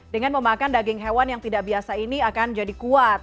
dengan memakan daging hewan yang tidak biasa ini akan jadi kuat